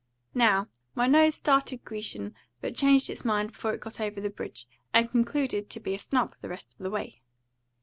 "Now, my nose started Grecian, but changed its mind before it got over the bridge, and concluded to be snub the rest of the way."